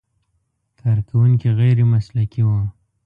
کارکوونکي غیر مسلکي و.